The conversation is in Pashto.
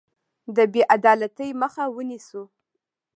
د بې عدالتۍ مخه ونیسو.